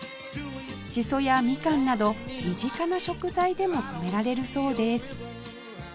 紫蘇やみかんなど身近な食材でも染められるそうです